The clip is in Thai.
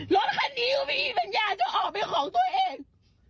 รถคันนี้ก็ไม่มีปัญญาจะออกเป็นของตัวเอง